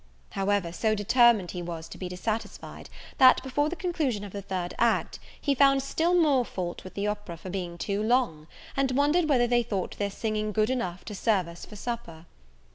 However, so determined he was to be dissatisfied, that, before the conclusion of the third act, he found still more fault with the opera for being too long; and wondered whether they thought their singing good enough to serve us for supper.